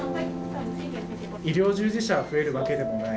医療従事者が増えるわけでもない。